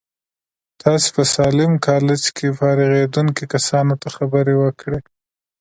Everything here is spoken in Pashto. تاسې په ساليم کالج کې فارغېدونکو کسانو ته خبرې وکړې.